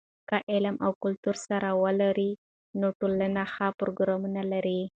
که علم او کلتور سره ولري، نو ټولنه ښه پروګرام لري.